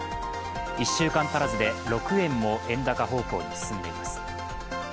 １週間足らずで６円も円高方向に進んでいます。